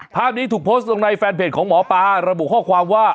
ภาพนี้ถูกโพสต์ลงในแฟนเพจของหมอปลาระบุข้อความว่า